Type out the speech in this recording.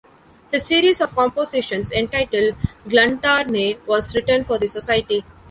His series of compositions entitled "Gluntarne" was written for the society.